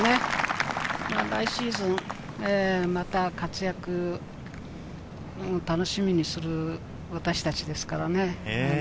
来シーズン、また活躍を楽しみにする私たちです。